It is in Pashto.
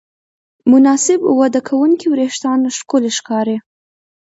مناسب وده کوونکي وېښتيان ښکلي ښکاري.